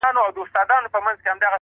• چي د ملالي د ټپې زور یې لیدلی نه وي,